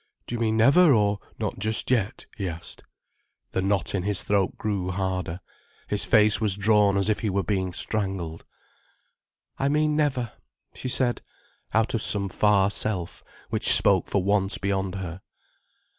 "Do you mean never, or not just yet?" he asked. The knot in his throat grew harder, his face was drawn as if he were being strangled. "I mean never," she said, out of some far self which spoke for once beyond her.